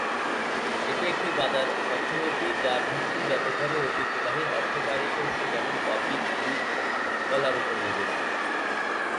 এটি একটি বাজার অর্থনীতি যার ভিত্তি ব্যাপকভাবে ঐতিহ্যবাহী অর্থকরী শস্য যেমন কফি, চিনি ও কলার উপর নির্ভরশীল।